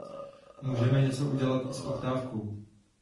Můžeme něco udělat i s poptávkou.